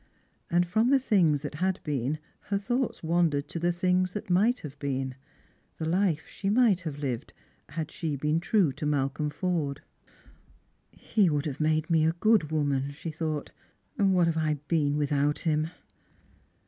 And from the things that had been, her thoughts wan dered to the things that might have been — the life she might have lived, had she been true to Malcolm Forde. " He would have made me a good woman," she thought ;" and what have I been without him